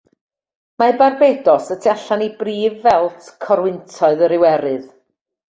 Mae Barbados y tu allan i brif felt corwyntoedd yr Iwerydd.